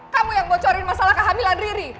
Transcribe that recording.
kamu yang bocorin masalah kehamilan riri